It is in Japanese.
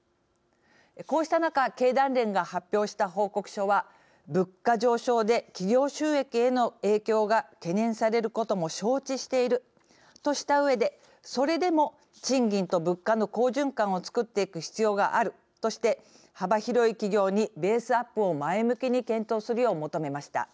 こうした中経団連が発表した報告書は物価上昇で企業収益への影響が懸念されることも承知しているとしたうえでそれでも賃金と物価の好循環をつくっていく必要があるとして幅広い企業にベースアップを前向きに検討するよう求めました。